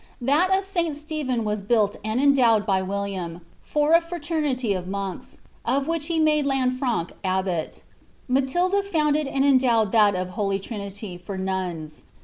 That of Sl Stephen was baili and endowed by Wdliam, for a fmiemiiy of monk^. of which he made Lanfnine abbot Matilda founded and endowed that of the Holy Triuiiy. for nuns.